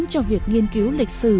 cho việc nghiên cứu lịch sử